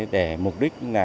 để mục đích